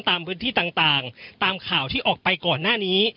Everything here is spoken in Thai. ตามพื้นที่ต่างตามข่าวที่ออกไปก่อนหน้านี้